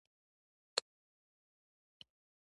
زه د زړو یادګارونو انځورونه ګورم.